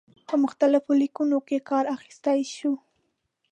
په مختلفو لیکنو کې کار اخیستلای شو.